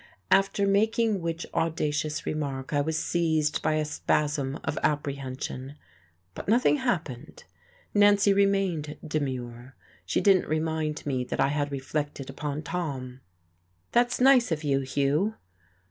After making which audacious remark I was seized by a spasm of apprehension. But nothing happened. Nancy remained demure. She didn't remind me that I had reflected upon Tom. "That's nice of you, Hugh."